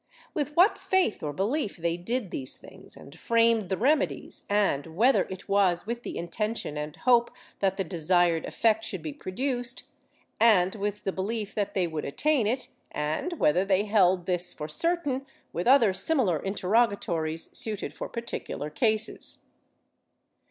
With what faith or belief they did these things and framed the remedies, and whether it was with the intention and hope that the desired effect should be produced, and with the belief that they would attain it, and whether they held this for certain — with other similar interrogatories, suited for particular cases.